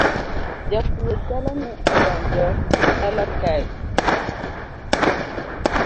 Jakuo chalo ni odonjo e dala kae